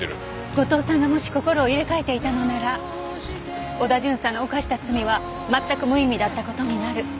後藤さんがもし心を入れ替えていたのなら織田巡査の犯した罪は全く無意味だった事になる。